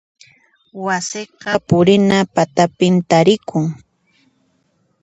Wasiqa purina patapi tarikun.